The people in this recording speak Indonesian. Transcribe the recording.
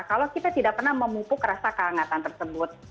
kalau kita tidak pernah memupuk rasa kehangatan tersebut